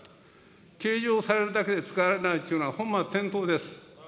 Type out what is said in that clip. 計上されるだけで使われないっていうのは、本末転倒です。